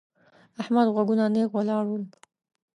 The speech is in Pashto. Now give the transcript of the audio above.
احمد غوږونه نېغ ولاړ وو.